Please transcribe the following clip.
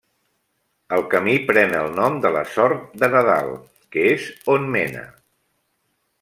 El camí pren el nom de la Sort de Nadal, que és on mena.